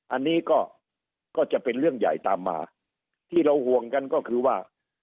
อันนี้ก็จะเป็นเรื่องใหญ่ตามมาที่เราห่วงกันก็คือว่า